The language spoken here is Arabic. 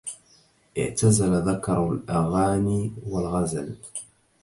اعتزل ذكر الأغاني والغزل